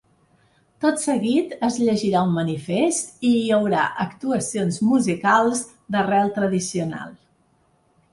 Tot seguit es llegirà un manifest i hi haurà actuacions musicals d’arrel tradicional.